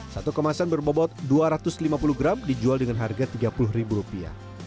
satu kemasan berbobot dua ratus lima puluh gram dijual dengan harga tiga puluh ribu rupiah